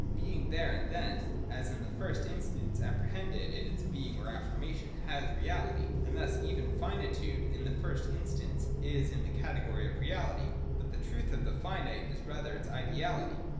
Being there and then, as in the first instance appre hended in its being or affirmation, has reality (§ 91) : and thus even finitude in the first instance is in the category of reality. fBut the truth of the finite is rather its ideality.